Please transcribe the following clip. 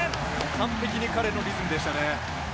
完璧に彼のリズムでしたね。